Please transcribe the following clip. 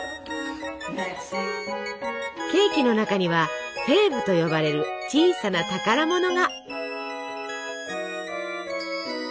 ケーキの中には「フェーブ」と呼ばれる小さな宝物が！